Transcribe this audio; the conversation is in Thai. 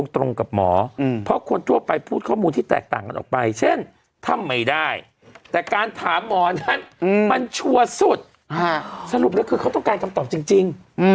สรุปนี้คือเขาต้องการคำตอบจริง